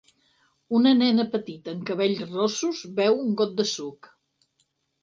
Una nena petita amb cabells rossos beu un got de suc.